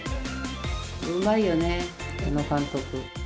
うまいよね、あの監督。